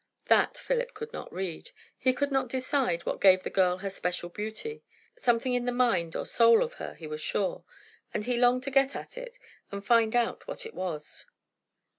That Philip could not read; he could not decide what gave the girl her special beauty. Something in the mind or soul of her, he was sure; and he longed to get at it and find out what it was.